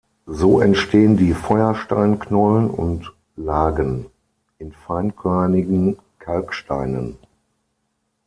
So entstehen die Feuersteinknollen und -lagen in feinkörnigen Kalksteinen.